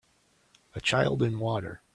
A child in water.